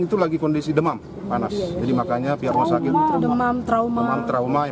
itu lagi kondisi demam panas jadi makanya pihak masyarakat memang trauma trauma yang